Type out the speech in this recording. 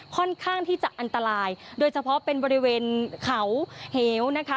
ค่อนข้างที่จะอันตรายโดยเฉพาะเป็นบริเวณเขาเหวนะคะ